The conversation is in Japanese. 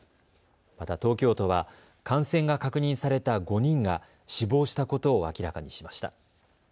また東京都は感染が確認された５人が死亡したことを明らかにしました。